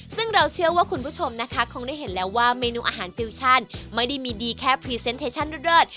ซึ่งเราเชื่อว่าคุณผู้ชมนะคะคงได้เห็นแล้วว่าเมนูอาหารฟิวชั่นไม่ได้มีดีแค่พรีเซนต์เทชั่นเลิศ